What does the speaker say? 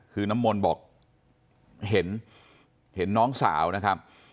คือน้ำมนต์บอกเห็นน้องสาวนะครับ